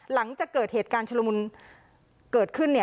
หลังจากเกิดเหตุการณ์ชุลมุนเกิดขึ้น